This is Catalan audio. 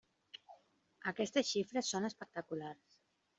Aquestes xifres són espectaculars.